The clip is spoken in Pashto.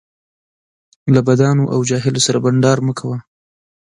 له بدانو او جاهلو سره بنډار مه کوه